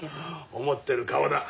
思ってる顔だ。